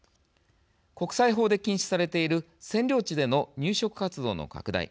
国際法で禁止されている占領地での入植活動の拡大